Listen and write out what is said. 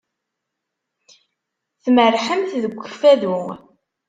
Tmerrḥemt deg Ukfadu?